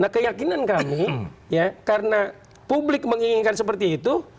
nah keyakinan kami ya karena publik menginginkan seperti itu